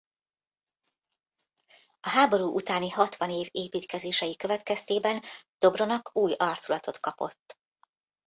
A háború utáni hatvan év építkezései következtében Dobronak új arculatot kapott.